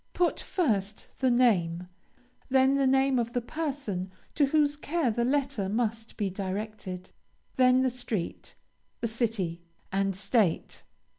Put first the name, then the name of the person to whose care the letter must be directed, then the street, the city, and State.